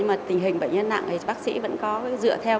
mà tình hình bệnh nhân nặng thì bác sĩ vẫn có dựa theo